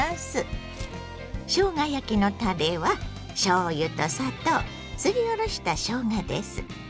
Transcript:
しょうが焼きのたれはしょうゆと砂糖すりおろしたしょうがです。